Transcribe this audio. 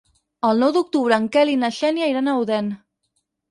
El nou d'octubre en Quel i na Xènia iran a Odèn.